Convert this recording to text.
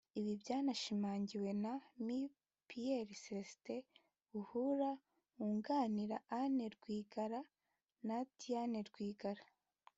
Ibi byanashimangiwe na Me Pierre Celestin Buhuru wunganira Anne Rwigara na Diane Rwigara